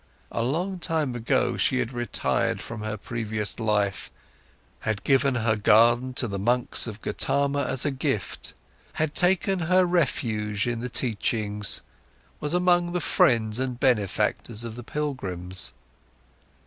A long time ago, she had retired from her previous life, had given her garden to the monks of Gotama as a gift, had taken her refuge in the teachings, was among the friends and benefactors of the pilgrims.